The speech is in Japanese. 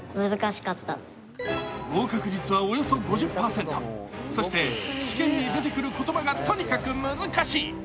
合格率はおよそ５０％そして試験に出てくる言葉がとにかく難しい！